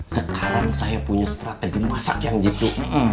sekarang saya punya strategi masak yang jitu